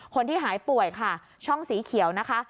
คนที่หายป่วยค่ะช่องสีเขียวนะคะ